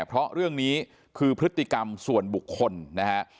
เพราะเรื่องนี้คือพฤติกรรมส่วนบุคคลนะฮะ